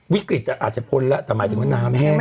วิกฤตอาจจะพ้นแล้วแต่หมายถึงว่าน้ำแห้ง